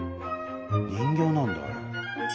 人形なんだあれ。